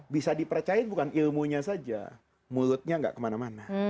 bisa dipercaya bukan ilmunya saja mulutnya nggak kemana mana